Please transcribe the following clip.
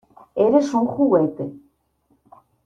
¡ Eres un juguete!